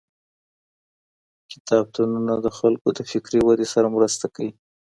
کتابتونونه د خلګو د فکري ودې سره مرسته کوي.